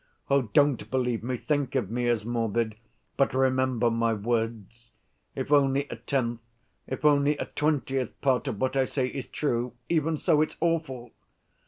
Oh, don't believe me, think of me as morbid, but remember my words; if only a tenth, if only a twentieth part of what I say is true—even so it's awful!